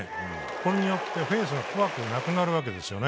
これによってフェンスが怖くなくなるわけですよね。